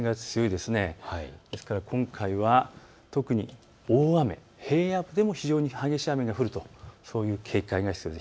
ですから今回は特に大雨、平野部でも非常に激しい雨が降るとそういう警戒が必要です。